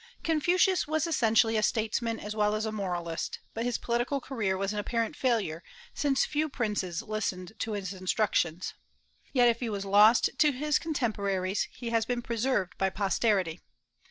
Confucius was essentially a statesman as well as a moralist; but his political career was an apparent failure, since few princes listened to his instructions. Yet if he was lost to his contemporaries, he has been preserved by posterity.